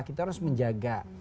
kita harus menjaga